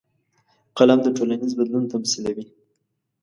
قلم د ټولنیز بدلون تمثیلوي